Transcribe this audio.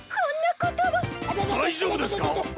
大丈夫ですか！？